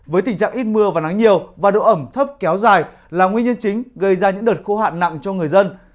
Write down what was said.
với tình trạng ít mưa và nắng nhiều và độ ẩm thấp kéo dài là nguyên nhân chính gây ra những đợt khô hạn nặng cho người dân